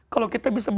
kalau kita bisa